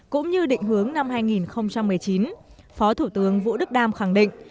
cũng như định hướng năm hai nghìn một mươi chín phó thủ tướng vũ đức đam khẳng định